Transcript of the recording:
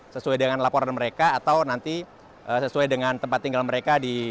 sesuai dengan laporan mereka atau nanti sesuai dengan tempat tinggal mereka di